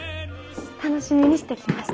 楽しみにしてきました。